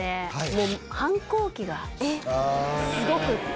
もう反抗期がすごくて。